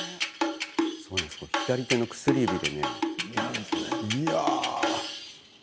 左手の薬指で。